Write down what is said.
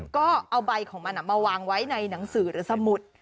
ก็เอาใบของมันมาวางไว้ในหนังสือหรือสมุด